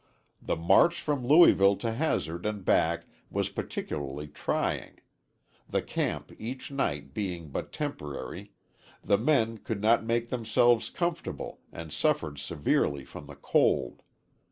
The march from Louisville to Hazard and back was particularly trying, the camp each night being but temporary, the men could not make themselves comfortable and suffered severely from the cold.